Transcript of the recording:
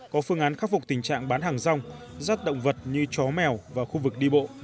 có phương án khắc phục tình trạng bán hàng rong rắt động vật như chó mèo và khu vực đi bộ